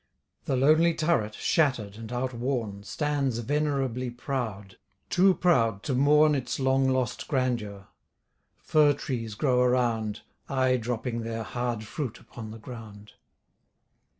The lonely turret, shatter'd, and outworn, Stands venerably proud; too proud to mourn Its long lost grandeur: fir trees grow around, Aye dropping their hard fruit upon the ground.